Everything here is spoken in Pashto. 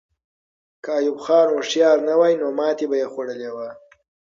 که ایوب خان هوښیار نه وای، نو ماتې به یې خوړلې وه.